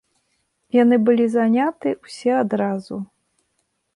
Яны былі заняты ўсе адразу.